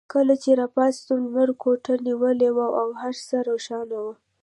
کله چې راپاڅېدم لمر کوټه نیولې وه او هر څه روښانه وو.